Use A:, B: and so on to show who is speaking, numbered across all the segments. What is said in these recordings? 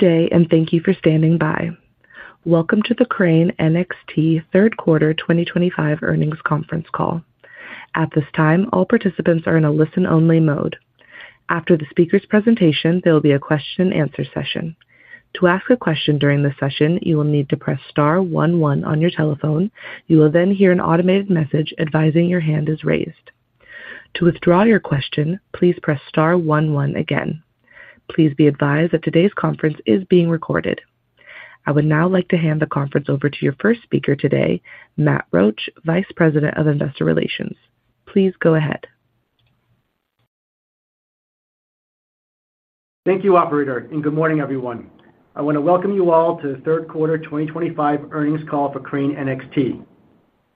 A: Good day and thank you for standing by. Welcome to the Crane NXT Third Quarter 2025 Earnings Conference Call. At this time, all participants are in a listen only mode. After the speaker's presentation, there will be a question and answer session. To ask a question during the session, you will need to press star one one on your telephone. You will then hear an automated message advising your hand is raised. To withdraw your question, please press star one one again. Please be advised that today's conference is being recorded. I would now like to hand the conference over to your first speaker today, Matt Roach, Vice President of Investor Relations. Please go ahead.
B: Thank you, operator, and good morning, everyone. I want to welcome you all to the third quarter 2025 earnings call for Crane NXT.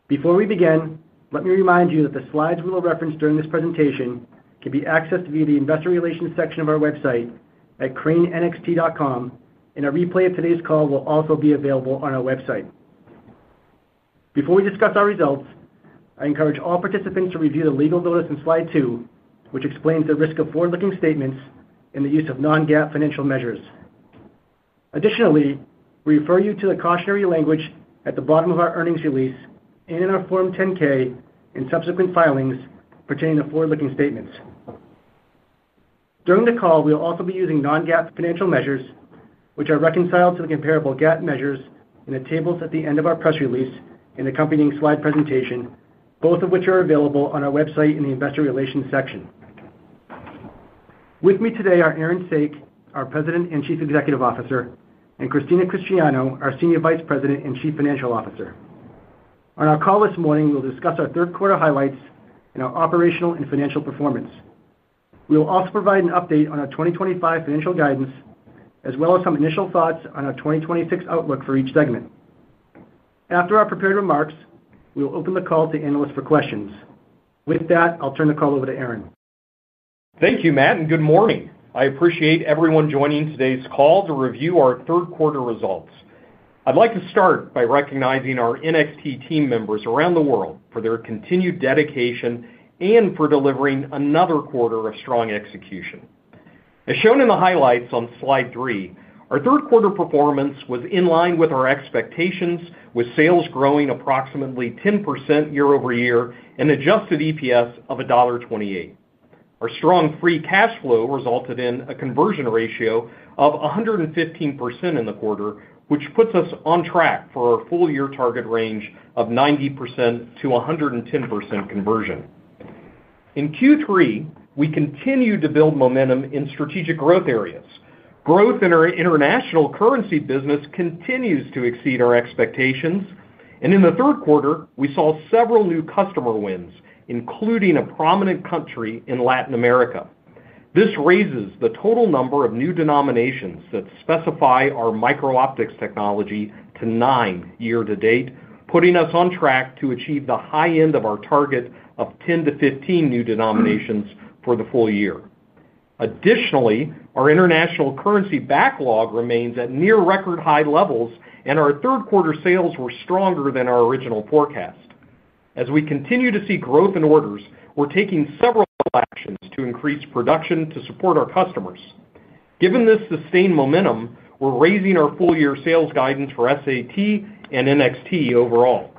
B: Before we begin, let me remind you that the slides we will reference during this presentation can be accessed via the Investor Relations section of our website at cranenxt.com, and a replay of today's call will also be available on our website. Before we discuss our results, I encourage all participants to review the legal notice in slide 2, which explains the risk of forward-looking statements and the use of non-GAAP financial measures. Additionally, we refer you to the cautionary language at the bottom of our earnings release and in our Form 10-K and subsequent filings pertaining to forward-looking statements. During the call, we will also be using non-GAAP financial measures which are reconciled to the comparable GAAP measures in the tables at the end of our press release and accompanying slide presentation, both of which are available on our website in the Investor Relations section. With me today are Aaron Saak, our President and Chief Executive Officer, and Christina Cristiano, our Senior Vice President and Chief Financial Officer. On our call this morning, we'll discuss our third quarter highlights and our operational and financial performance. We will also provide an update on our 2025 financial guidance as well as some initial thoughts on our 2026 outlook for each segment. After our prepared remarks, we will open the call to analysts for questions. With that, I'll turn the call over to Aaron.
C: Thank you, Matt, and good morning. I appreciate everyone joining today's call to review our third quarter results. I'd like to start by recognizing our NXT team members around the world for their continued dedication and for delivering another quarter of strong execution. As shown in the Highlights on Slide 3, our third quarter performance was in line with our expectations with sales growing approximately 10% year-over-year and adjusted EPS of $1.28. Our strong free cash flow resulted in a conversion ratio of 115% in the quarter, which puts us on track for our full year target range of 90%-110 conversion. In Q3, we continued to build momentum in strategic growth areas. Growth in our international currency business continues to exceed our expectations and in the third quarter we saw several new customer wins including a prominent country in Latin America. This raises the total number of new denominations that specify our micro-optics technology to nine year to date, putting us on track to achieve the high end of our target of 10-15 new denominations for the full year. Additionally, our international currency backlog remains at near record high levels and our third quarter sales were stronger than our original forecast. As we continue to see growth in orders, we're taking several actions to increase production to support our customers. Given this sustained momentum, we're raising our full year sales guidance for SAT and NXT. Overall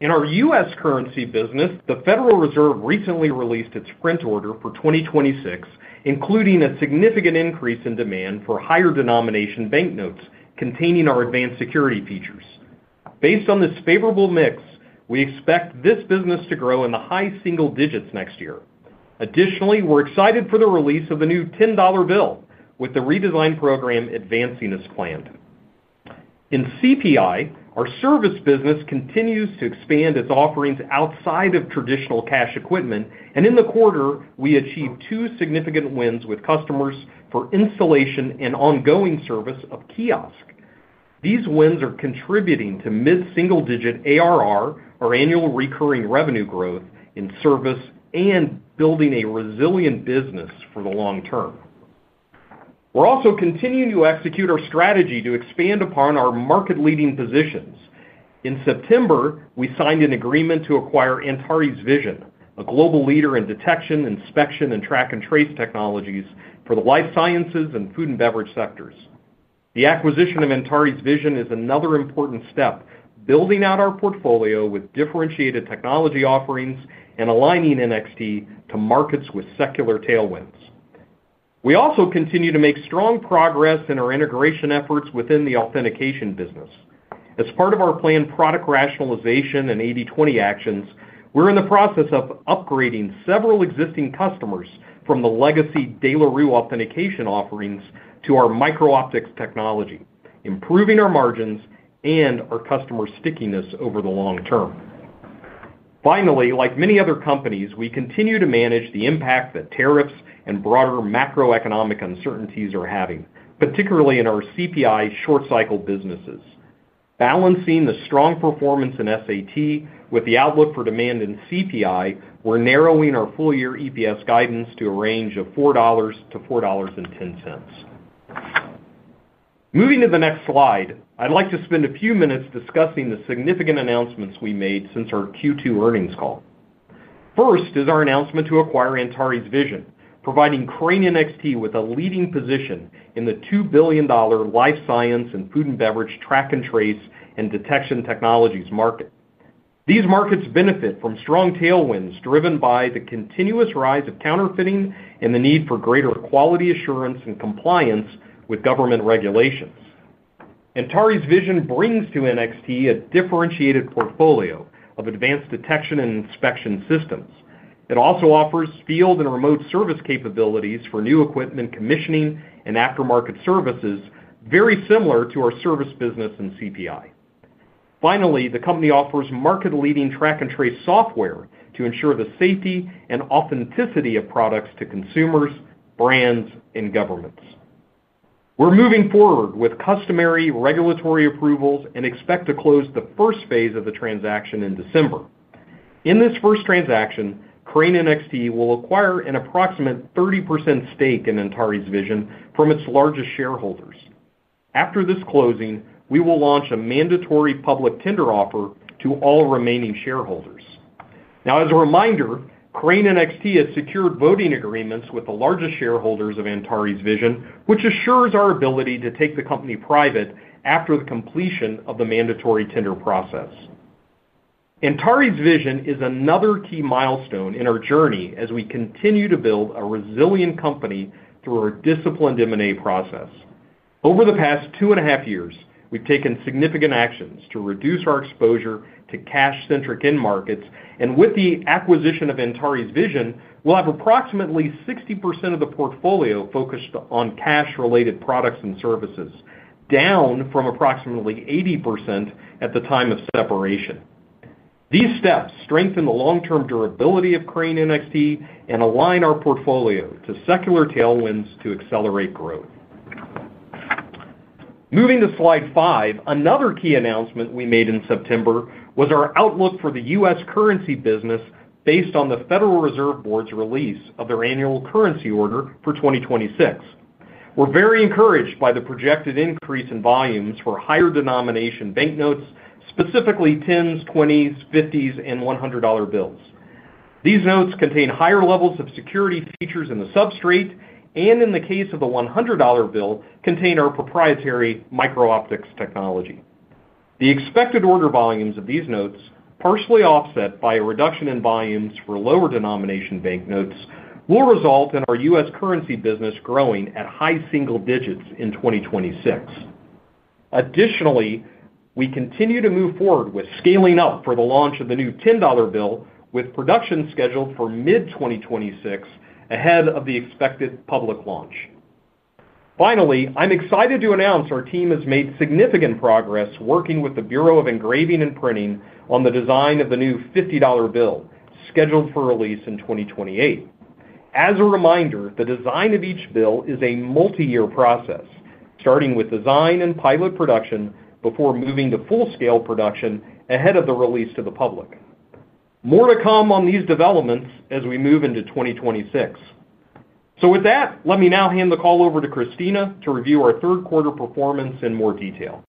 C: in our US Currency business, the Federal Reserve recently released its print order for 2026, including a significant increase in demand for higher denomination banknotes containing our advanced security features. Based on this favorable mix, we expect this business to grow in the high single digits next year. Additionally, we're excited for the release of the new $10 bill. With the redesign program advancing as planned in CPI, our service business continues to expand its offerings outside of traditional cash equipment, and in the quarter we achieved two significant wins with customers for installation and ongoing service of Kiosk. These wins are contributing to mid-single-digit ARR or annual recurring revenue growth in service and building a resilient business for the long term. We're also continuing to execute our strategy to expand upon our market-leading positions. In September we signed an agreement to acquire Antares Vision, a global leader in detection, inspection and track and trace technologies for the life sciences and food and beverage sectors. The acquisition of Antares Vision is another important step, building out our portfolio with differentiated technology offerings and aligning NXT with two markets with secular tailwinds. We also continue to make strong progress in our integration efforts within the authentication business. As part of our planned product rationalization and 80/20 actions, we're in the process of upgrading several existing customers from the legacy De La Rue authentication offerings to our micro-optics technology, improving our margins and our customer stickiness over the long term. Finally, like many other companies, we continue to manage the impact that tariffs and broader macroeconomic uncertainties are having, particularly in our CPI short cycle businesses. Balancing the strong performance in SAT with the outlook for demand in CPI, we're narrowing our full year EPS guidance to a range of $4 to 4.10. Moving to the next slide, I'd like to spend a few minutes discussing the significant announcements we made since our Q2 earnings call. First is our announcement to acquire Antares Vision, providing Crane NXT with a leading position in the $2 billion life science and food and beverage track and trace and detection technologies market. These markets benefit from strong tailwinds driven by the continuous rise of counterfeiting and the need for greater quality assurance and compliance with government regulations. Antares Vision brings to NXT a differentiated portfolio of advanced detection and inspection systems. It also offers field and remote service capabilities for new equipment commissioning and aftermarket services very similar to our service business and CPI. Finally, the company offers market leading track and trace software to ensure the safety and authenticity of products to consumers, brands and governments. We're moving forward with customary regulatory approvals and expect to close the first phase of the transaction in December. In this first transaction, Crane NXT will acquire an approximate 30% stake in Antares Vision from its largest shareholders. After this closing, we will launch a mandatory public tender offer to all remaining shareholders. Now, as a reminder, Crane NXT has secured voting agreements with the largest shareholders of Antares Vision, which assures our ability to take the company private after the completion of the mandatory tender process. Antares Vision is another key milestone in our journey as we continue to build a resilient company through our disciplined M and A process. Over the past two and a half years we've taken significant actions to reduce our exposure to cash centric end markets and with the acquisition of Antares Vision, we'll have approximately 60% of the portfolio focused on cash related products and services, down from approximately 80% at the time of separation. These steps strengthen the long term durability of Crane NXT and align our portfolio to secular tailwinds to accelerate growth. Moving to Slide 5, another key announcement we made in September was our outlook for the U.S. currency business based on the Federal Reserve Board's release of their annual currency order for 2026. We're very encouraged by the projected increase in volumes for higher denomination banknotes, specifically 10s, 20s, 50s, and $100 bills. These notes contain higher levels of security features in the substrate and in the case of the $100 bills, contain our proprietary micro-optics technology. The expected order volumes of these notes, partially offset by a reduction in volumes for lower denomination banknotes, will result in our US currency business growing at high single digits in 2026. Additionally, we continue to move forward with scaling up for the launch of the new $10 bills, with production scheduled for mid-2026 ahead of the expected public launch. Finally, I'm excited to announce our team has made significant progress working with the Bureau of Engraving and Printing on the design of the new $50 bill scheduled for release in 2028. As a reminder, the design of each bill is a multi-year process starting with design and pilot production before moving to full-scale production ahead of the release to the public. More to come on these developments as we move into 2026. With that, let me now hand the call over to Christina to review our third quarter performance in more detail.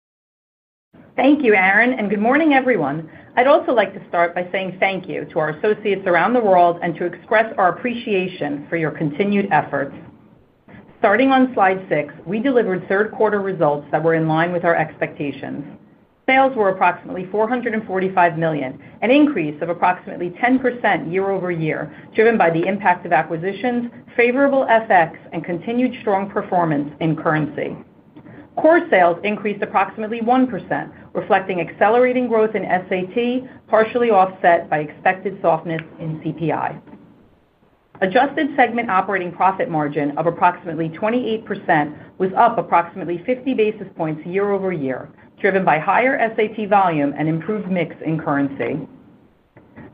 D: Thank you Aaron and good morning everyone. I'd also like to start by saying thank you to our associates around the world and our appreciation for your continued efforts. Starting on Slide 6, we delivered third quarter results that were in line with our expectations. Sales were approximately $445 million, an increase of approximately 10% year-over-year driven by the impact of acquisitions, favorable FX and continued strong performance in currency. Core sales increased approximately 1% reflecting accelerating growth in SAT partially offset by expected softness in CPI. Adjusted segment operating profit margin of approximately 28% was up approximately 50 basis points year-over-year driven by higher SAP volume and improved mix in currency.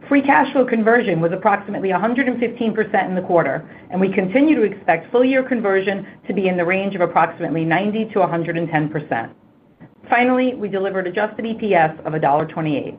D: Free cash flow conversion was approximately 115% in the quarter and we continue to expect full year conversion to be in the range of approximately 90%-110. Finally, we delivered adjusted EPS of $1.28,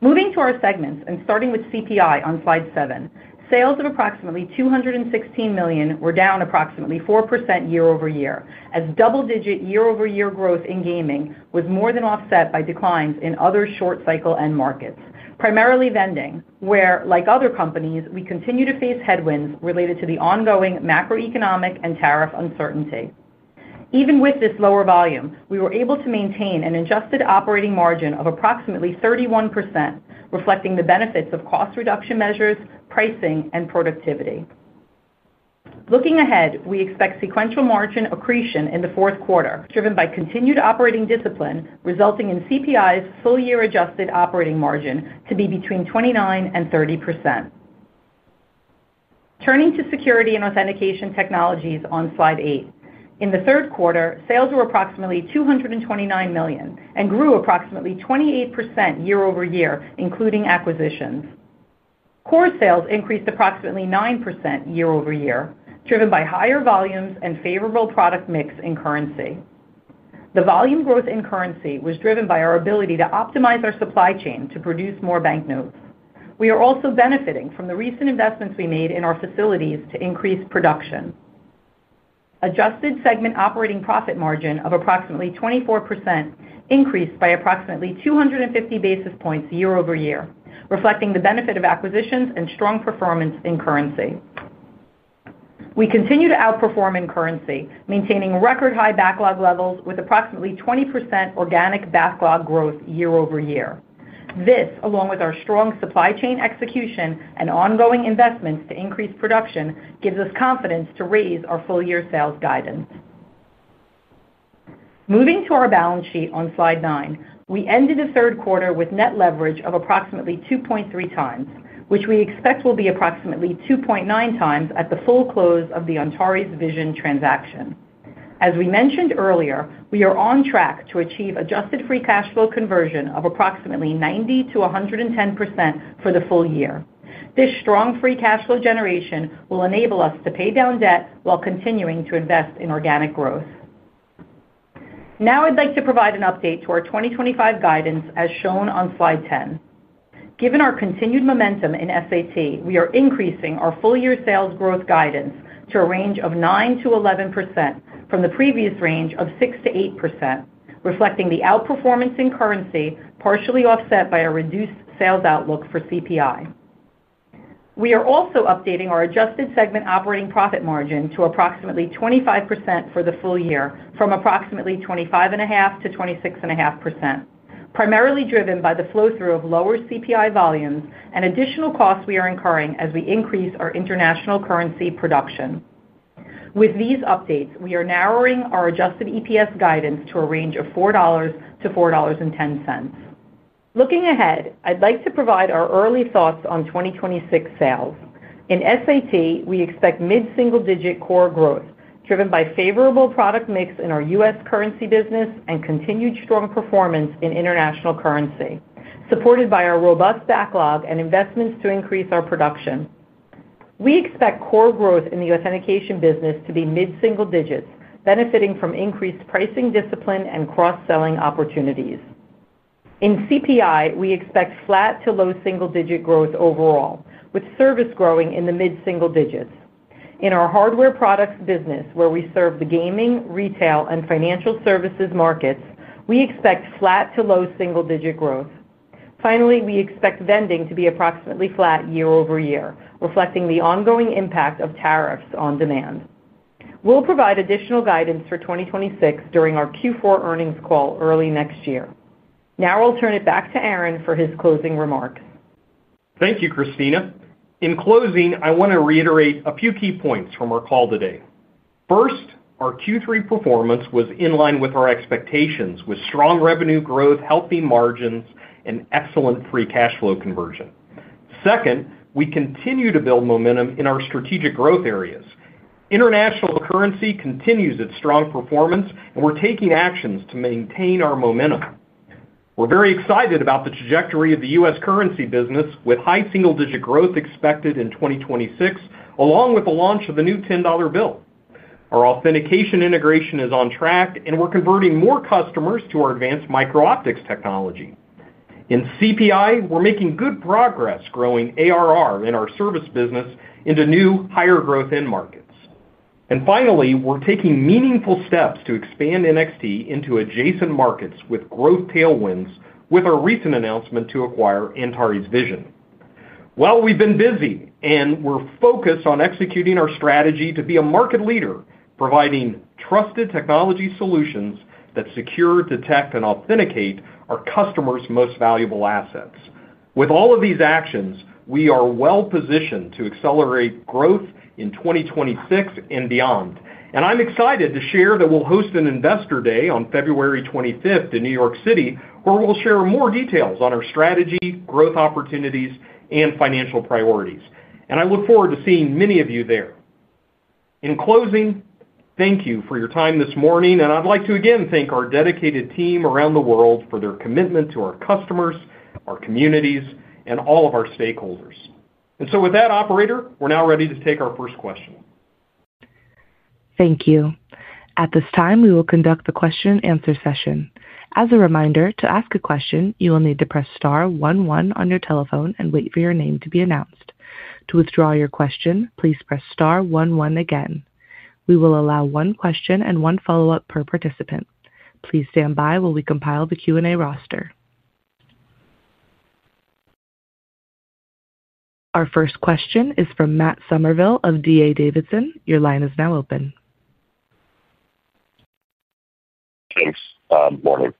D: moving to our segments and starting with CPI. On Slide 7, sales of approximately $216 million were down approximately 4% year-over- year. As double-digit year-over-year growth in gaming was more than offset by declines in other short cycle end markets, primarily vending, where, like other companies, we continue to face headwinds related to the ongoing macroeconomic and tariff uncertainty. Even with this lower volume, we were able to maintain an adjusted operating margin of approximately 31% reflecting the benefits of cost reduction measures, pricing, and productivity. Looking ahead, we expect sequential margin accretion in the fourth quarter driven by continued operating discipline resulting in CPI's full year adjusted operating margin to be between 29% and 30%. Turning to security and authentication technologies on slide 8, in the third quarter sales were approximately $229 million and grew approximately 28% year-over-year, including acquisitions. Core sales increased approximately 9% year-over-year, driven by higher volumes and favorable product mix in currency. The volume growth in currency was driven by our ability to optimize our supply chain to produce more banknotes. We are also benefiting from the recent investments we made in our facilities to increase production. Adjusted segment operating profit margin of approximately 24% increased by approximately 250 basis points year-over-year, reflecting the benefit of acquisitions and strong performance in currency. We continue to outperform in currency, maintaining record high backlog levels with approximately 20% organic backlog growth year-over-year. This along with our strong supply chain execution and ongoing investments to increase production gives us confidence to raise our full year sales guidance. Moving to our balance sheet on Slide 9, we ended the third quarter with net leverage of approximately 2.3x which we expect will be approximately 2.9x at the full close of the Antares Vision transaction. As we mentioned earlier, we are on track to achieve adjusted free cash flow conversion of approximately 90%-110 for the full year. This strong free cash flow generation will enable us to pay down debt while continuing to invest in organic growth. Now I'd like to provide an update to our 2025 guidance as shown on Slide 10. Given our continued momentum in SAT, we are increasing our full year sales growth guidance to a range of 9%-11 from the previous range of 6%-8 reflecting the outperformance in currency partially offset by a reduced sales outlook for CPI. We are also updating our adjusted segment operating profit margin to approximately 25% for the full year from approximately 25.5%-26.5 primarily driven by the flow through of lower CPI volumes and additional costs we are incurring as we increase our international currency production. With these updates, we are narrowing our adjusted EPS guidance to a range of $4 to 4.10. Looking ahead, I'd like to provide our early thoughts on 2026 sales in SAT. We expect mid single digit core growth driven by favorable product mix in our US Currency business and continued strong performance in international currency supported by our robust backlog and investments. To increase our production, we expect core growth in the authentication business to be mid single digits benefiting from increased pricing discipline and cross selling opportunities. In CPI, we expect flat to low single digit growth overall with service growing in the mid single digits. In our hardware products business where we serve the gaming, retail and financial services markets, we expect flat to low single digit growth. Finally, we expect vending to be approximately flat year-over-year reflecting the ongoing impact of tariffs on demand. We'll provide additional guidance for 2026 during our Q4 earnings call early next year. Now I'll turn it back to Aaron for his closing remarks.
C: Thank you, Christina. In closing, I want to reiterate a few key points from our call today. First, our Q3 performance was in line with our expectations with strong revenue growth, healthy margins, and excellent free cash flow conversion. Second, we continue to build momentum in our strategic growth areas. International currency continues its strong performance, and we're taking actions to maintain our momentum. We're very excited about the trajectory of the US currency business with high single-digit growth expected in 2026 along with the launch of the new $10 bill. Our authentication integration is on track, and we're converting more customers to our advanced micro-optics technology in CPI. We're making good progress growing ARR in our service business into new higher growth end markets. Finally, we're taking meaningful steps to expand NXT into adjacent markets with growth tailwinds with our recent announcement to acquire Antares Vision. We have been busy and we are focused on executing our strategy to be a market leader, providing trusted technology solutions that secure, detect and authenticate our customers' most valuable assets. With all of these actions, we are well positioned to accelerate growth in 2026 and beyond. I am excited to share that we will host an Investor Day on 25 February in New York City where we will share more details on our strategy, growth opportunities and financial priorities. I look forward to seeing many of you there. In closing, thank you for your time this morning and I would like to again thank our dedicated team around the world for their commitment to our customers, our communities and all of our stakeholders. With that, operator, we are now ready to take our first question.
A: Thank you. At this time we will conduct the question and answer session. As a reminder, to ask a question, you will need to press star one one on your telephone and wait for your name to be announced. To withdraw your question, please press star one one again. We will allow one question and one follow-up per participant. Please stand by while we compile the Q&A roster. Our first question is from Matt Somerville of D.A. Davidson. Your line is now open.
E: Thanks. Morning.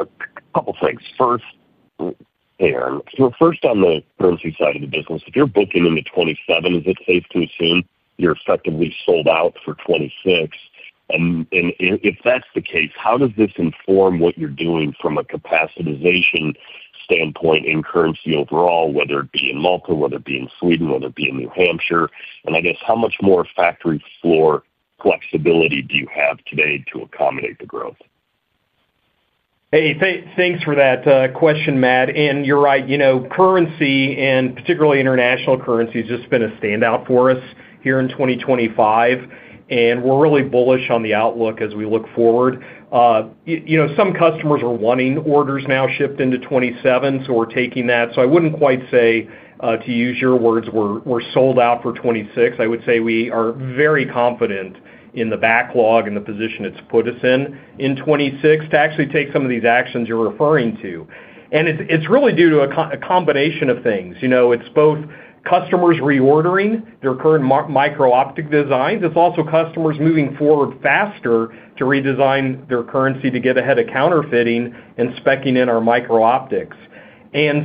E: A couple things first. Hey Aaron, first on the currency side of the business. If you're booking into 2027, is it safe to assume you're effectively sold out for 2026? If that's the case, how does this inform what you're doing from a capacitization standpoint in currency overall, whether it be in Malta, whether it be in Sweden, whether it be in New Hampshire? I guess, how much more factory floor flexibility do you have today to accommodate the growth?
C: Hey, thanks for that question, Matt. And you're right. Currency, and particularly international currency, has just been a standout for us here in 2025 and we're really bullish on the outlook as we look forward. You know, some customers are wanting orders now shipped into 2027, so we're taking that. So I wouldn't quite say, to use your words, we're sold out for 2026. I would say we are very confident in the backlog and the position it's put us in in 2026 to actually take some of these actions you're referring to and it's really due to a combination of things. You know, it's both customers reordering their current micro-optics designs. It's also customers moving forward faster to redesign their currency to get ahead of counterfeiting and speccing in our micro-optics. Where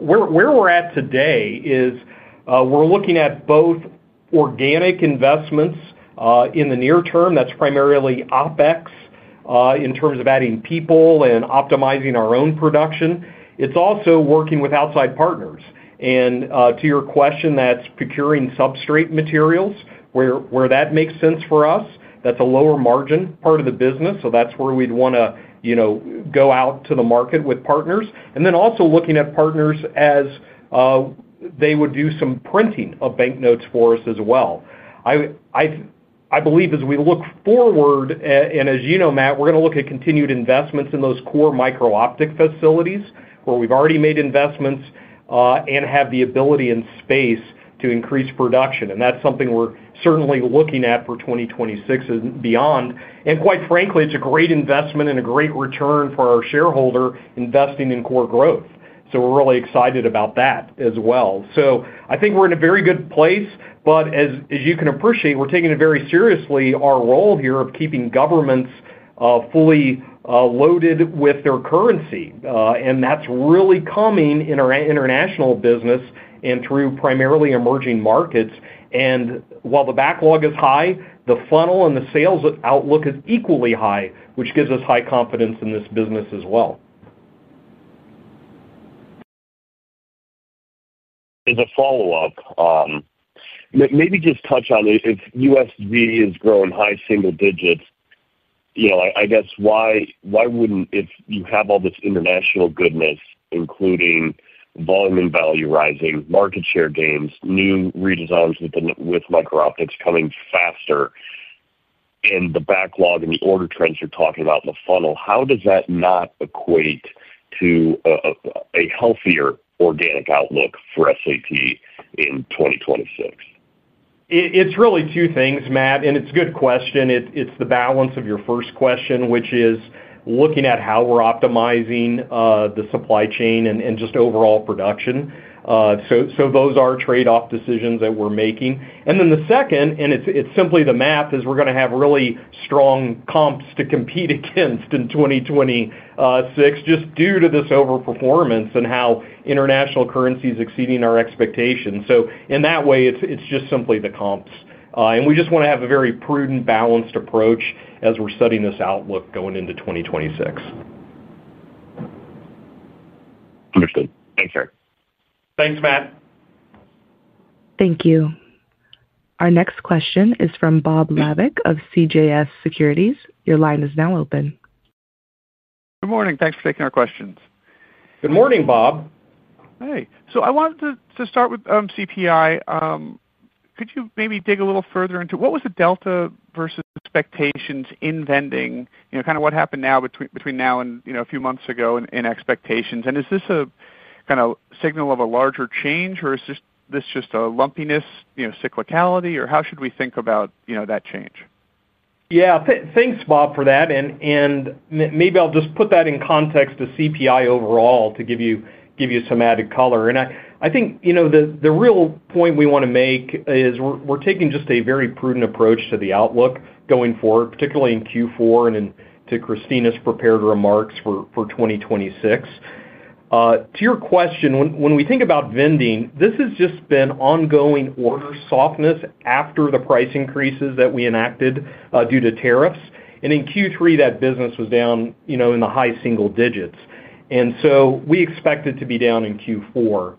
C: we're at today is we're looking at both organic investments in the near term. That's primarily OpEx in terms of adding people and optimizing our own production. It's also working with outside partners. To your question, that's procuring substrate materials where that makes sense for us. That's a lower margin part of the business. That's where we'd want to go out to the market with partners and then also looking at partners as they would do some printing of banknotes for us as well. I believe as we look forward and as you know, Matt, we're going to look at continued investments in those core micro-optics facilities where we've already made investments and have the ability and space to increase production. That's something we're certainly looking at for 2026 and beyond. Quite frankly, it's a great investment and a great return for our shareholder investing in core growth. We're really excited about that as well. I think we're in a very good place. As you can appreciate, we're taking it very seriously, our role here of keeping governments fully loaded with their currency. That's really coming in our international business and through primarily emerging markets. While the backlog is high, the funnel and the sales outlook is equally high, which gives us high confidence in this business as well.
E: As a follow up, maybe just touch on if USD has grown high single digits, I guess why wouldn't. If you have all this international goodness including volume and value, rising market share gains, new redesigns with micro-optics coming faster and the backlog and the order trends you're talking about in the funnel, how does that not equate to a healthier organic outlook for Crane NXT in 2026?
C: It's really two things, Matt. It's a good question. It's the balance of your first question which is looking at how we're optimizing the supply chain and just overall production. Those are trade off decisions that we're making. The second, and it's simply the math, is we're going to have really strong comps to compete against in 2026 just due to this over performance and how international currencies are exceeding our expectations. In that way it's just simply the comps and we just want to have a very prudent balanced approach as we're setting this outlook going into 2026.
E: Understood. Thanks, Aaron.
C: Thanks, Matt.
A: Thank you. Our next question is from Bob Labick of CJS Securities. Your line is now open.
F: Good morning. Thanks for taking our questions.
C: Good morning, Bob.
F: Hey, so I wanted to start with CPI. Could you maybe dig a little further into what was the delta versus expectations in vending, kind of what happened now between now and a few months ago in expectations, and is this a kind of signal of a larger change, or is this just a lumpiness, cyclicality, or how should we think about that change?
C: Yeah, thanks Bob for that and maybe I'll just put that in context to CPI overall to give you some added color. I think the real point we want to make is we're taking just a very prudent approach to the outlook going forward, particularly in Q4 and to Christina's prepared remarks for 2026. To your question, when we think about vending, this has just been ongoing order softness after the price increases that we enacted due to tariffs and in Q3 that business was down in the high single digits and we expect it to be down in Q4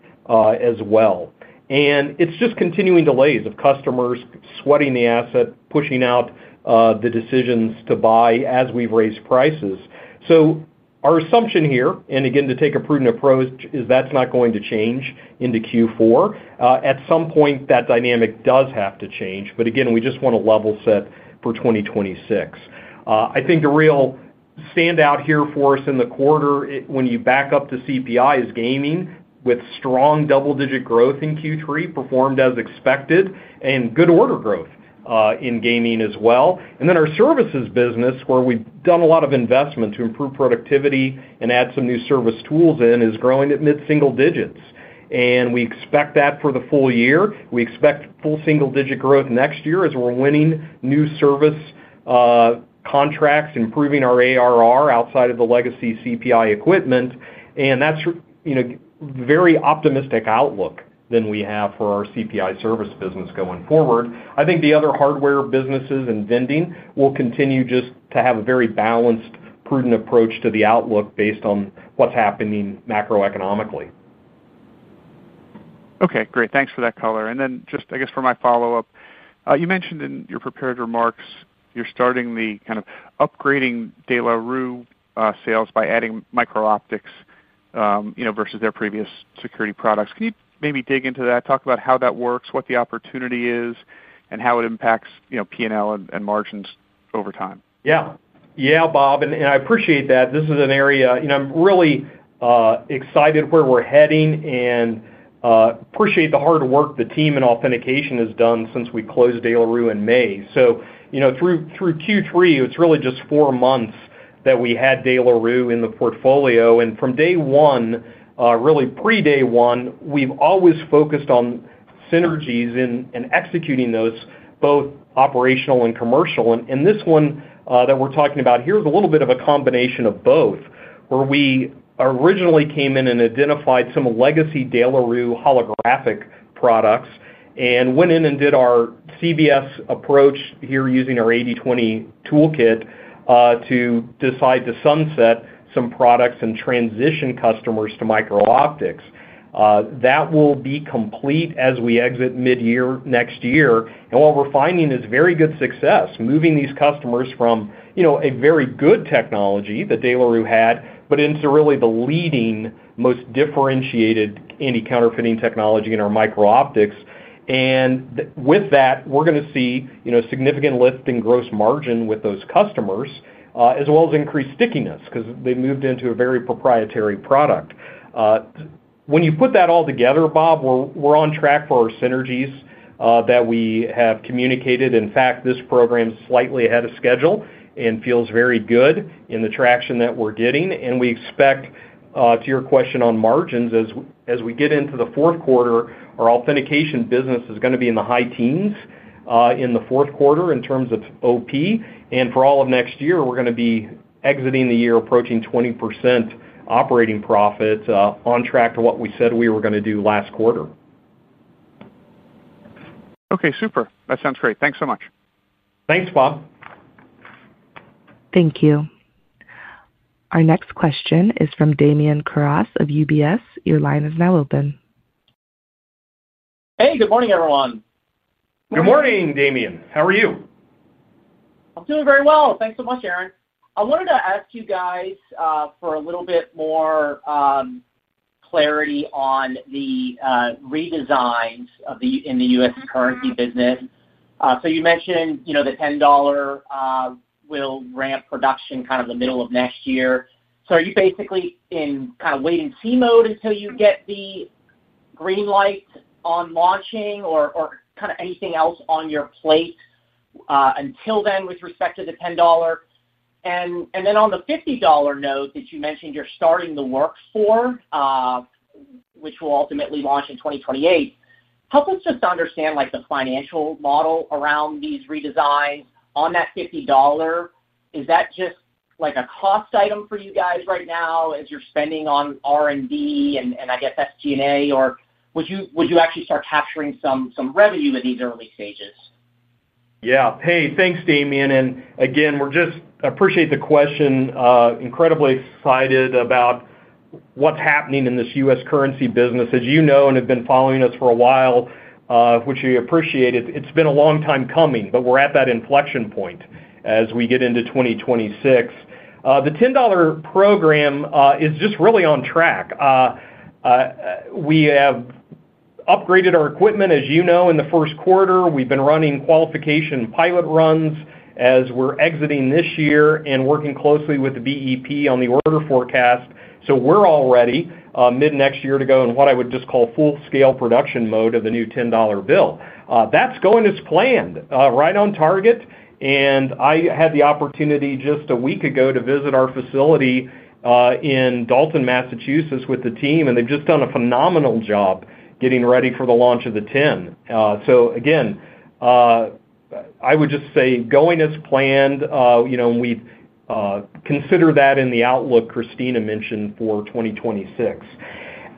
C: as well. It's just continuing delays of customers sweating the asset, pushing out the decisions to buy as we raise prices. Our assumption here, and again to take a prudent approach, is that's not going to change into Q4. At some point that dynamic does have to change. Again, we just want to level set for 2026. I think the real standout here for us in the quarter when you back up to CPI is gaming with strong double-digit growth in Q3, performed as expected, and good order growth in gaming as well. Then our services business, where we've done a lot of investment to improve productivity and add some new service tools in, is growing at mid-single digits, and we expect that for the full year. We expect full single-digit growth next year as we're winning new service contracts, improving our ARR outside of the legacy CPI equipment. That's a very optimistic outlook that we have for our CPI service business going forward. I think the other hardware businesses and vending, we'll continue just to have a very balanced, prudent approach to the outlook based on what's happening macroeconomically.
F: Okay, great. Thanks for that color. Just for my follow up, you mentioned in your prepared remarks you're starting the kind of upgrading De La Rue sales by adding micro-optics versus their previous security products. Can you maybe dig into that, talk about how that works, what the opportunity is and how it impacts P&L and margins over time?
C: Yes, yes, Bob, and I appreciate that this is an area I'm really excited where we're heading and appreciate the hard work the team in authentication has done since we closed De La Rue in May. Through Q3, it's really just four months that we had De La Rue in the portfolio. From day one, really pre day one, we've always focused on synergies in executing those, both operational and commercial. This one that we're talking about here is a little bit of a combination of both. Where we originally came in and identified some legacy De La Rue holographic products and went in and did our CBS approach here using our 80/20 toolkit to decide to sunset some products and transition customers to micro-optics. That will be complete as we exit mid year next year. What we're finding is very good success moving these customers from a very good technology that De La Rue had but into really the leading most differentiated anti-counterfeiting technology in our micro-optics. With that, we're going to see significant lift in gross margin with those customers as well as increased stickiness because they moved into a very proprietary product. When you put that all together, Bob, we're on track for our synergies that we have communicated. In fact, this program is slightly ahead of schedule and feels very good in the traction that we're getting. We expect, to your question on margins, as we get into the fourth quarter. Our authentication business is going to be in the high teens in the fourth quarter in terms of OP and for all of next year we're going to be exiting the year approaching 20% operating profit on track to what we said we were going to do last quarter.
F: Okay, super. That sounds great. Thanks so much.
C: Thanks Bob.
A: Thank you. Our next question is from Damian Krauze of UBS. Your line is now open.
G: Hey, good morning everyone.
C: Good morning Damian. How are you?
G: I'm doing very well, thanks so much. Aaron, I wanted to ask you guys for a little bit more clarity on the redesigns in the US currency business. You mentioned, you know, the $10 will ramp production kind of the middle of next year. Are you basically in kind of wait and see mode until you get the green light on launching or kind of anything else on your plate until then with respect to the $10? Then on the $50 note that you mentioned, you're starting the work for which will ultimately launch in 2028. Help us just understand like the financial model around these redesigns on that $50. Is that just like a cost item for you guys right now as you're spending on R&D and I guess SG&A, or would you actually start capturing some revenue in these early stages?
C: Yeah, hey thanks Damian. Again we just appreciate the question. Incredibly excited about what's happening in this US currency business as you know and have been following us for a while, which we appreciate. It's been a long time coming. We're at that inflection point as we get into 2026. The $10 program is just really on track. We have upgraded our equipment as you know, in the first quarter. We've been running qualification pilot runs as we're exiting this year and working closely with the BEP on the order forecast. We're all ready mid next year to go in what I would just call full scale production mode of the new $10 bill. That's going as planned. Right on target. I had the opportunity just a week ago to visit our facility in Dalton, Massachusetts with the team and they have just done a phenomenal job getting ready for the launch of the $10. I would just say going as planned. We consider that in the outlook Christina mentioned for 2026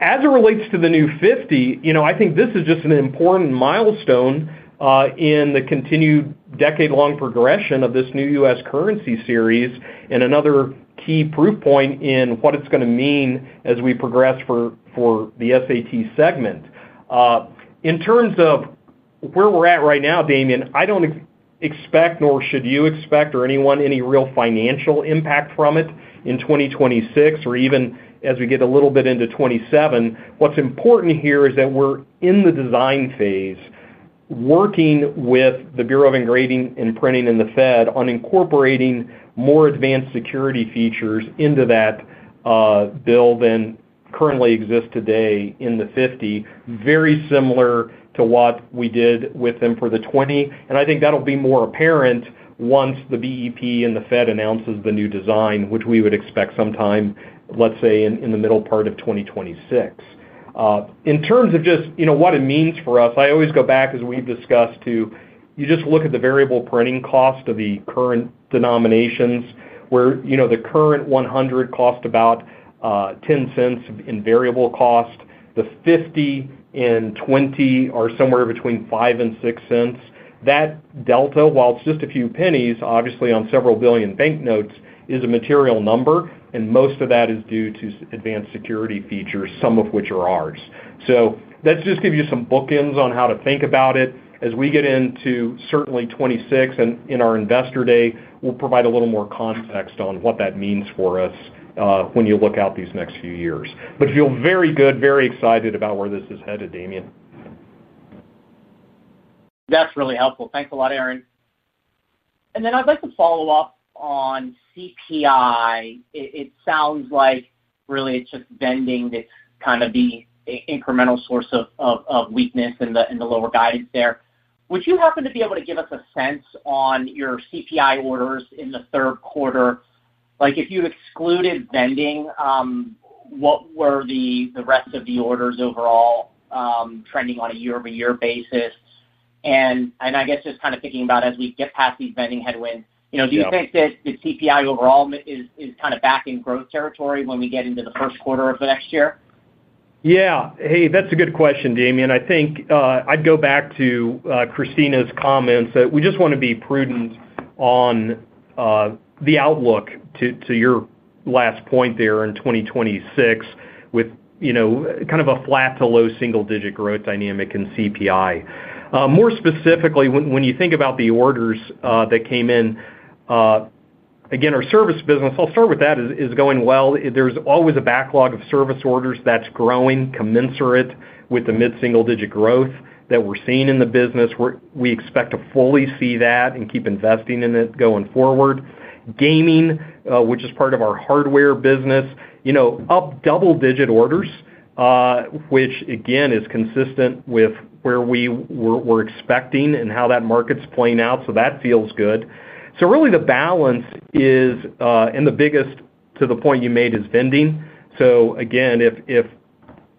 C: as it relates to the new $50. I think this is just an important milestone in the continued decade-long progression of this new US currency series and another key proof point in what it is going to mean as we progress for the SAT segment in terms of where we are at right now. Damian, I do not expect, nor should you expect or anyone, any real financial impact from it in 2026 or even as we get a little bit into 2027. What's important here is that we're in the design phase working with the Bureau of Engraving and Printing and the Fed on incorporating more advanced security features into that bill than currently exists today in the $50. Very similar to what we did with them for the $20. I think that will be more apparent once the BEP and the Fed announces the new design, which we would expect sometime, let's say, in the middle part of 2026 in terms of just, you know, what it means for us. I always go back, as we've discussed, to you, just look at the variable printing cost of the current denominations where, you know, the current $100 costs about 10 cents. In variable cost, the $50 and $20 are somewhere between 5 and 6 cents. That delta, while it's just a few pennies, obviously on several billion banknotes is a material number, and most of that is due to advanced security features, some of which are ours. Let's just give you some bookends on how to think about it as we get into certainly 2026, and in our investor day we'll provide a little more context on what that means for us when you look out these next few years, but feel very good, very excited about where this is headed. Damian.
G: That's really helpful. Thanks a lot, Aaron. I'd like to follow up on CPI. It sounds like really it's just vending kind of the incremental source of weakness in the lower guidance there. Would you happen to be able to give us a sense on your CPI orders in the third quarter, like if you excluded vending, what were the rest of the orders overall trending on a year-over-year basis? I guess just kind of thinking about as we get past these vending headwinds, do you think that the CPI overall is kind of back in growth territory when we get into the first quarter of next year?
C: Yeah, hey that's a good question Damian. I think I'd go back to Christina's comments that we just want to be prudent on the outlook to your last point there in 2026 with kind of a flat to low single-digit growth dynamic in CPI. More specifically, when you think about the orders that came in, again our service business, I'll start with that, is going well. There's always a backlog of service orders that's growing commensurate with the mid-single-digit growth that we're seeing in the business. We expect to fully see that and keep investing in it going forward. Gaming, which is part of our hardware business, up double-digit orders, which again is consistent with where we're expecting and how that market's playing out. That feels good. Really the balance is, and the biggest to the point you made, is vending. Again, if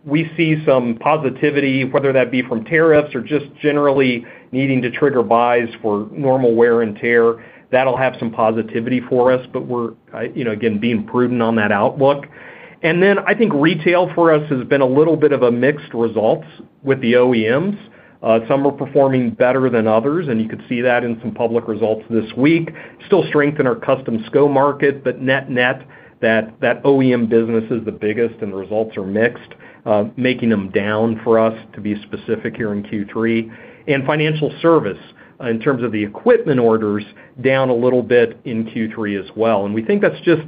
C: we see some positivity, whether that be from tariffs or just generally needing to trigger buys for normal wear and tear, that'll have some positivity for us. We're again being prudent on that outlook. I think retail for us has been a little bit of a mixed result with the OEMs. Some are performing better than others, and you could see that in some public results this week. Still strength in our customer SCO market. Net net, that OEM business is the biggest, and the results are mixed, making them down for us, to be specific here in Q3. Financial service, in terms of the equipment orders, down a little bit in Q3 as well. We think that's just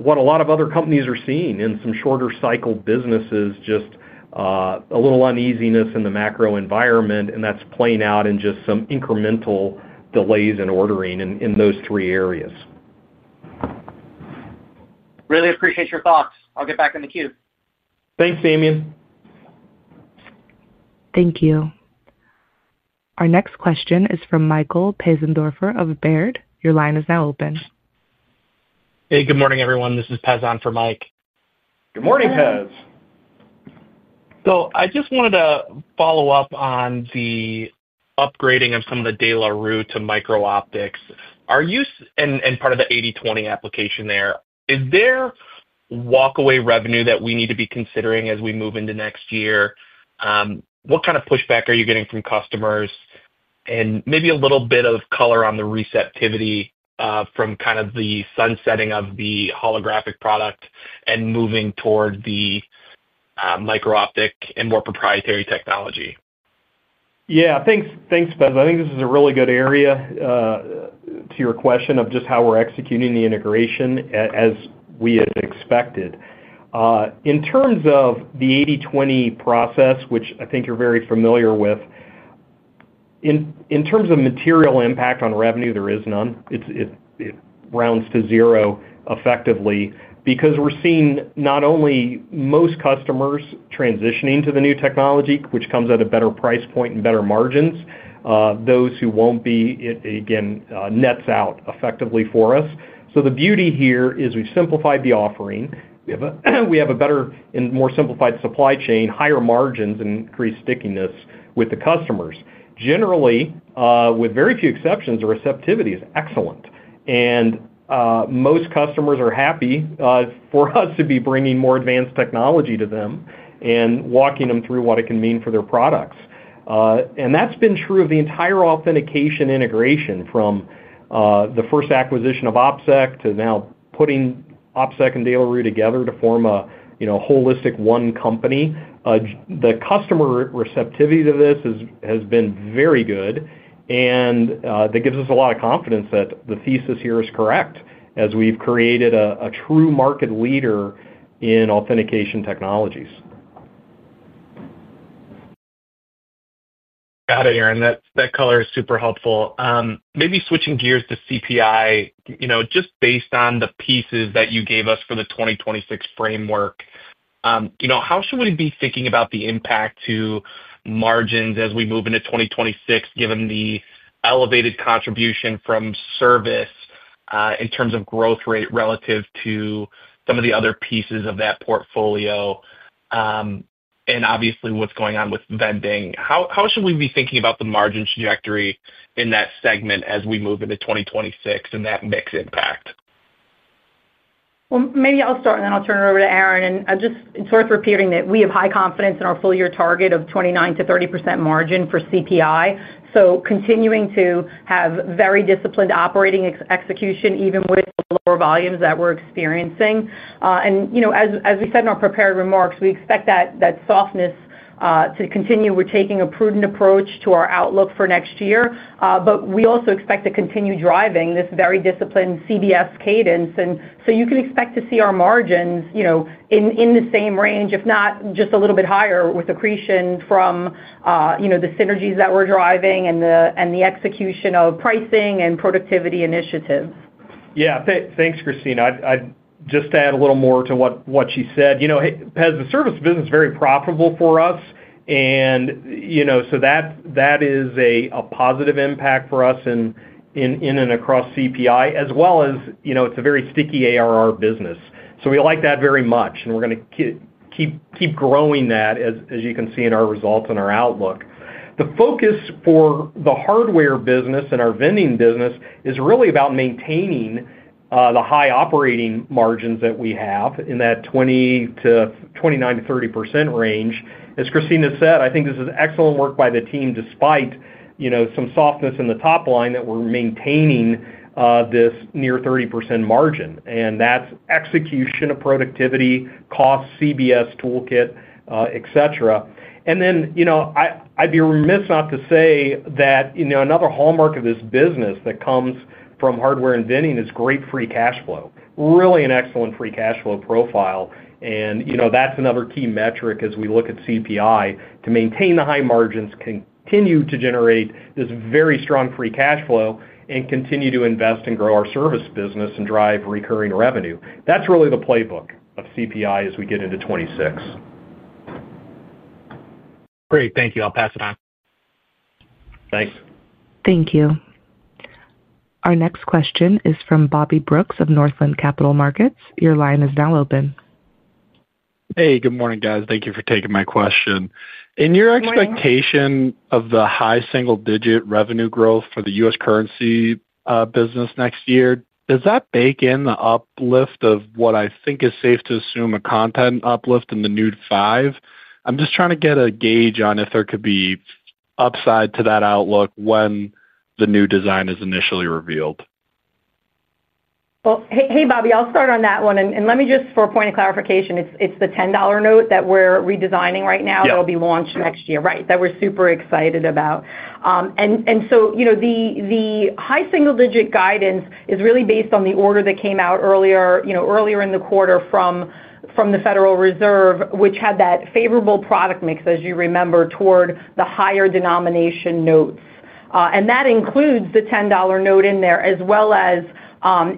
C: what a lot of other companies are seeing in some shorter cycle businesses. Just a little uneasiness in the macro environment and that's playing out in just some incremental delays in ordering in those three areas.
G: Really appreciate your thoughts. I'll get back in the queue.
C: Thanks, Damian.
A: Thank you. Our next question is from Michael Pesendorfer of Baird. Your line is now open. Hey, good morning everyone. This is Pez on for Mike. Good morning Pez. I just wanted to follow up on the upgrading of some of the De La Rue to micro-optics. Are you, and part of the 80/20 application there, is there walk away revenue that we need to be considering as we move into next year? What kind of pushback are you getting from customers? Maybe a little bit of color on the receptivity from kind of the sunsetting of the holographic product and moving toward the micro-optic and more proprietary technology.
C: Yes, thanks Ben. I think this is a really good area to your question of just how we're executing the integration as we had expected in terms of the 80/20 process, which I think you're very familiar with. In terms of material impact on revenue, there is none. It rounds to zero effectively because we're seeing not only most customers transitioning to the new technology, which comes at a better price point and better margins. Those who won't be, again, nets out effectively for us. The beauty here is we've simplified the offering. We have a better and more simplified supply chain, higher margins, and increased stickiness with the customers generally. With very few exceptions, the receptivity is excellent and most customers are happy for us to be bringing more advanced technology to them and walking them through what it can mean for their products. That has been true of the entire authentication integration from the first acquisition of OpSec to now putting OpSec and De La Rue together to form a holistic one company. The customer receptivity to this has been very good and that gives us a lot of confidence that the thesis here is correct as we've created a true market leader in authentication technologies. Got it. Aaron, that color is super helpful. Maybe switching gears to CPI, just based on the pieces that you gave us for the 2026 framework, how should we be thinking about the impact to margins as we move into 2026, given the elevated contribution from service in terms of growth rate relative to some of the other pieces of that portfolio and obviously what's going on with vending, how should we be thinking about the margin trajectory in that segment as we move into 2026 and that mix impact?
D: Maybe I'll start and then I'll turn it over to Aaron. It's worth repeating that we have high confidence in our full year target of 29%-30 margin for CPI, so continuing to have very disciplined operating execution even with lower volumes that we're experiencing. As we said in our prepared remarks, we expect that softness to continue. We're taking a prudent approach to our outlook for next year, but we also expect to continue driving this very disciplined CBS Cadence. You can expect to see our margins in the circumstances, same range, if not just a little bit higher, with accretion from the synergies that we're driving and the execution of pricing and productivity initiatives.
C: Yeah, thanks Christina. Just to add a little more to what she said, as the service business is very profitable for us and that is a positive impact for us in and across CPI as well. As you know, it's a very sticky ARR business. We like that very much and we're going to keep growing that. As you can see in our results and our outlook, the focus for the hardware business and our vending business is really about maintaining the high operating margins that we have in that 20%-29-30 range. As Christina said, I think this is excellent work by the team despite, you know, some softness in the top line that we're maintaining this near 30% margin and that's execution of productivity, cost, CBS toolkit, et cetera. You know, I'd be remiss not to say that another hallmark of this business that comes from hardware vending is great free cash flow. Really an excellent free cash flow profile. You know, that's another key metric as we look at CPI to maintain the high margins, continue to generate this very strong free cash flow, and continue to invest and grow our service business and drive recurring revenue. That's really the playbook of CPI as we get into 2026. Great. Thank you. I'll pass it on.
A: Thank you. Our next question is from Bobby Brooks of Northland Capital Markets. Your line is now open.
H: Hey, good morning guys. Thank you for taking my question. In your expectation of the high single-digit revenue growth for the US Currency business next year, does that bake in the uplift of what I think is safe to assume a content uplift in the new 5? I'm just trying to get a gauge on if there could be upside to that outlook when the new design is initially revealed.
D: Hey Bobby, I'll start on that one. Let me just for a point of clarification, it's the $10 note that we're redesigning right now that will be launched next year. Right. That we're super excited about. The high single digit guidance is really based on the order that came out earlier in the quarter from the Federal Reserve, which had that favorable product mix, as you remember, toward the higher denomination notes. That includes the $10 note in there, as well as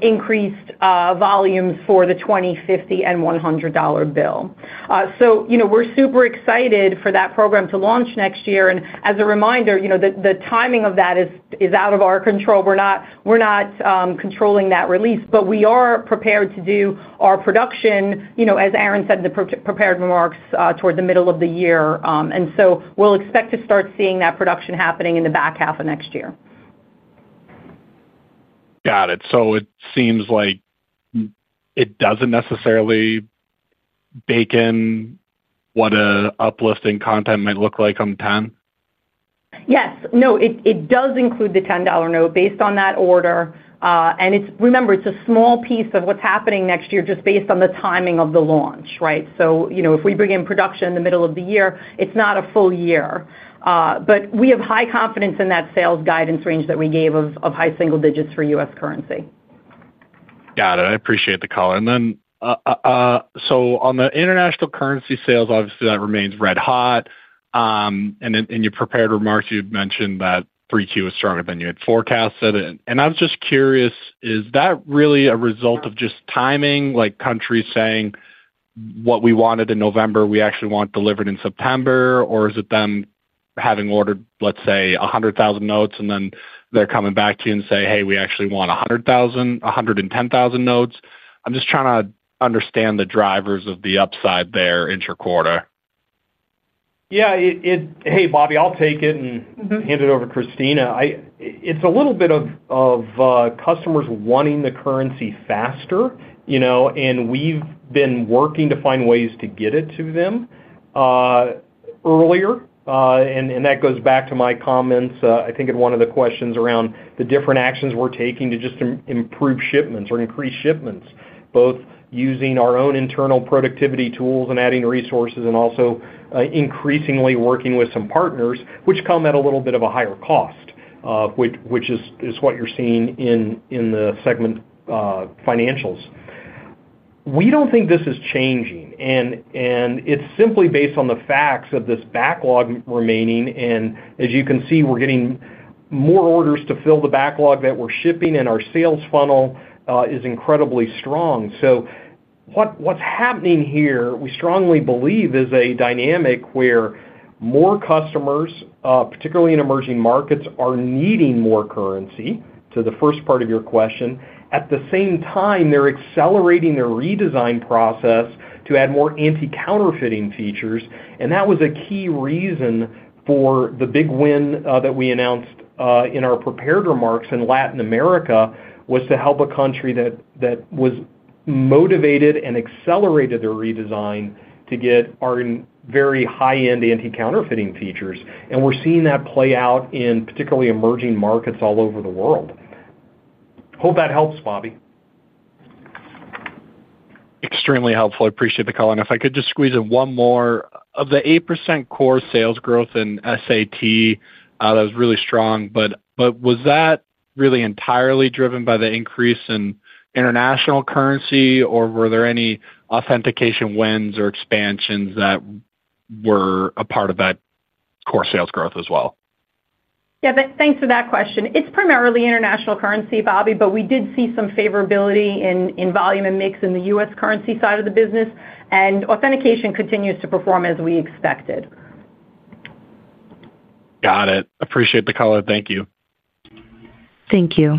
D: increased volumes for the $20, $50, and $100 bill. You know, we're super excited for that program to launch next year. As a reminder, the timing of that is out of our control. We're not controlling that release, but we are prepared to do our production, you know, as Aaron said in the prepared remarks, toward the middle of the year. We expect to start seeing that production happening in the back half of next year.
H: Got it. So it seems like it doesn't necessarily bake in what an uplifting content might look like on the $10.
D: Yes. No, it does include the $10 bill based on that order. Remember, it is a small piece of what is happening next year just based on the timing of the launch. Right. If we begin production in the middle of the year, it is not a full year, but we have high confidence in that sales guidance range that we gave of high single digits for US Currency.
H: Got it. I appreciate the color. On the international currency sales, obviously that remains red hot. In your prepared remarks, you mentioned that 3Q was stronger than you had forecasted. I was just curious, is that really a result of just timing, like countries saying what we wanted in November, we actually want delivered in September, or is it them having ordered, let's say 100,000 notes and then they're coming back to you and say, hey, we actually want 100,000, 110,000 notes? I'm just trying to understand the drivers of the upside there intra quarter.
C: Yeah. Hey Bobby, I'll take it and hand it over to Christina. It's a little bit of customers wanting the currency feed faster and we've been working to find ways to get it to them earlier. That goes back to my comments. I think in one of the questions around the different actions we're taking to just improve shipments or increase shipments, both using our own internal productivity tools and adding resources and also increasingly working with some partners which come at a little bit of a higher cost, which is what you're seeing in the segment financials. We don't think this is changing and it's simply based on the facts of this backlog remaining. As you can see, we're getting more orders to fill the backlog that we're shipping and our sales funnel is incredibly strong. What's happening here, we strongly believe, is a dynamic where more customers, particularly in emerging markets, are needing more currency. To the first part of your question, at the same time, they're accelerating their redesign process to add more anti-counterfeiting features. That was a key reason for the big win that we announced in our prepared remarks in Latin America, to help a country that was motivated and accelerated their redesign to get our very high-end anti-counterfeiting features. We're seeing that play out in particularly emerging markets all over the world. Hope that helps, Bobby.
H: Extremely helpful. I appreciate the call. If I could just squeeze in one more, the 8% core sales growth in SAT, that was really strong, but was that really entirely driven by the increase in international currency or were there any authentication wins or expansions that were a part of that core sales growth as well?
D: Yeah, thanks for that question. It's primarily international currency, Bobby, but we did see some favorability in volume and mix in the US currency side of the business and authentication continues to perform as we expected.
H: Got it. Appreciate the color. Thank you.
A: Thank you.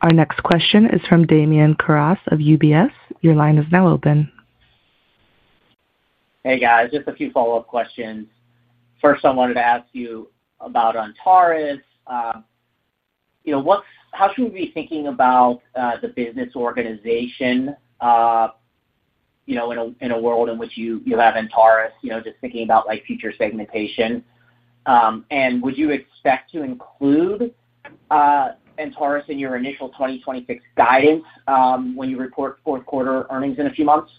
A: Our next question is from Damian Krauze of UBS. Your line is now open.
G: Hey guys, just a few follow up questions. First I wanted to ask you about Antares. You know what, how should we be thinking about the business organization, you know, in a world in which you have Antares, you know, just thinking about like future segmentation and would you expect to include Antares in your initial 2026 guidance when you report fourth quarter earnings in a few months?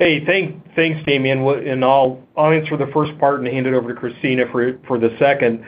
C: Hey, thanks Damian. I'll answer the first part and hand it over to Christina for the second.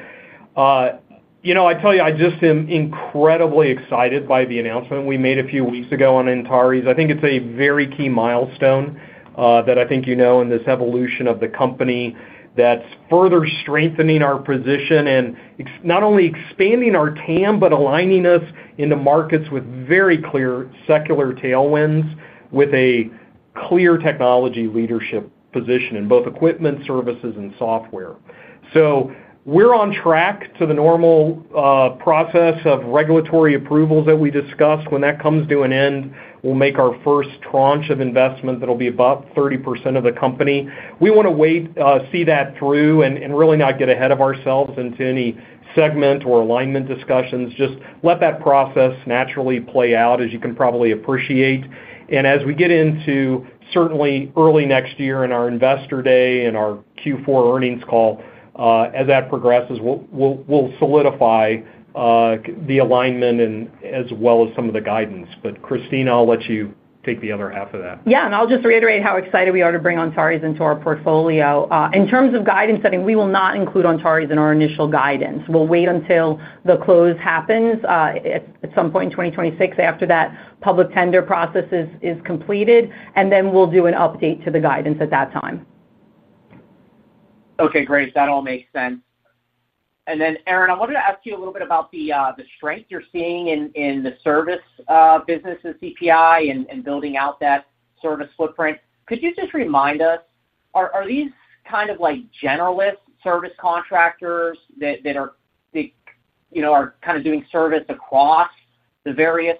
C: You know, I tell you, I just am incredibly excited by the announcement we made a few weeks ago on Antares. I think it's a very key milestone that I think, you know, in this evolution of the company that's further strengthening our position and not only expanding our TAM, but aligning us into markets with very clear secular tailwinds, with a clear technology leadership position in both equipment, services, and software. We're on track to the normal process of regulatory approvals that we discussed. When that comes to an end, we'll make our first tranche of investment that will be about 30% of the company. We want to wait, see that through, and really not get ahead of ourselves into any segment or alignment discussions. Just let that process naturally play out, as you can probably appreciate. As we get into certainly early next year in our investor day and our Q4 earnings call, as that progresses, we'll solidify the alignment as well as some of the guidance. Christina, I'll let you take the other half of that.
D: Yeah. I'll just reiterate how excited we are to bring Antares into our portfolio. In terms of guidance setting, we will not include Antares in our initial guidance. We'll wait until the close happens at some point in 2026 after that public tender process is completed, and then we'll do an update to the guidance at that.
G: Okay, great. That all makes sense. Aaron, I wanted to ask you a little bit about the strength you're seeing in the service business in CPI and building out that service footprint. Could you just remind us, are these kind of like generalist service contractors that are, you know, are kind of doing service across the various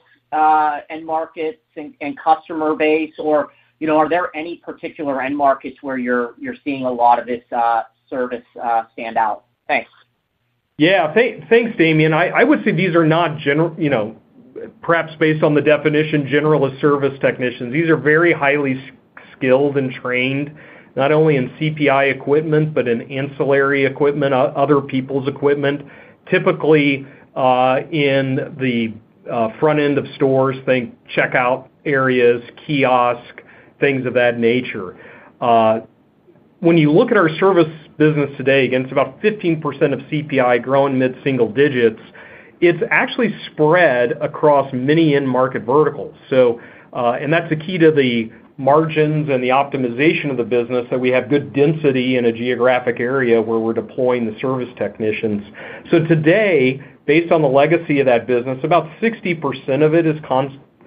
G: end markets and customer base, or are there any particular end markets where you're seeing a lot of this service stand out? Thanks.
C: Yeah, thanks, Damian. I would say these are not general, you know, perhaps based on the definition, generalist service technicians. These are very highly skilled and trained not only in CPI equipment, but in ancillary equipment, other people's equipment, typically in the front end of stores. Think checkout areas, kiosks, things of that nature. When you look at our service business today, again, it's about 15% of CPI growing mid single digits. It's actually spread across many end market verticals. That's the key to the margins and the optimization of the business, that we have good density in a geographic area where we're deploying the service to technicians. Today, based on the legacy of that business, about 60% of it is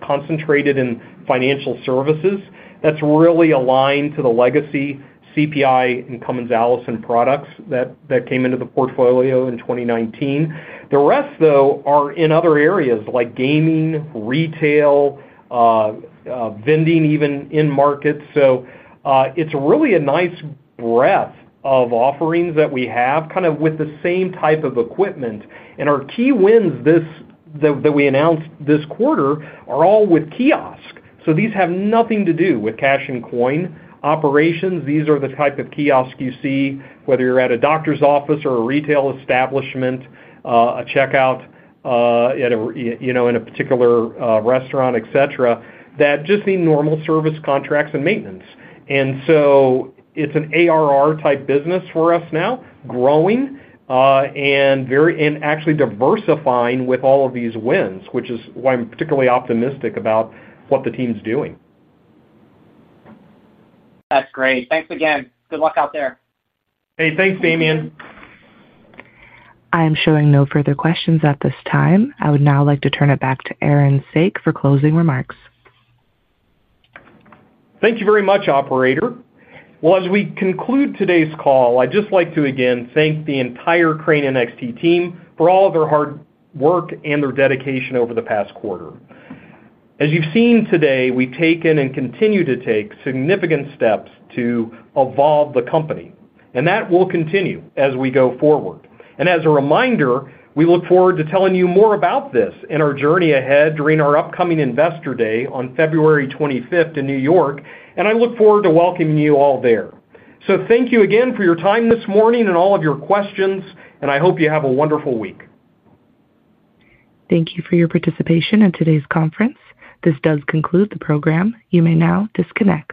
C: concentrated in financial services that's really aligned to the legacy CPI and Cummins Allison products that came into the portfolio in 2019. The rest, though, are in other areas like gaming, retail vending, even in markets. It is really a nice breadth of offerings that we have kind of with the same type of equipment. Our key wins that we announced this quarter are all with kiosks. These have nothing to do with cash and coin operations. These are the type of kiosks you see, whether you are at a doctor's office or a retail establishment, a checkout in a particular restaurant, et cetera, that just need more normal service contracts and maintenance. It is an ARR type business for us now, growing and actually diversifying with all of these wins, which is why I am particularly optimistic about what the team's doing.
G: That's great. Thanks again. Good luck out there.
C: Hey, thanks, Damian.
A: I am showing no further questions at this time. I would now like to turn it back to Aaron Saak for closing remarks.
C: Thank you very much, operator. As we conclude today's call, I'd just like to again thank the entire Crane NXT team for all of their hard work and their dedication over the past quarter. As you've seen today, we've taken and continue to take significant steps to evolve the company, and that will continue as we go forward. As a reminder, we look forward to telling you more about this and our journey ahead during our upcoming Investor Day on 25th February in New York. I look forward to welcoming you all there. Thank you again for your time this morning and all of your questions, and I hope you have a wonderful week.
A: Thank you for your participation in today's conference. This does conclude the program. You may now disconnect.